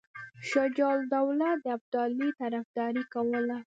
شجاع الدوله د ابدالي طرفداري کوله.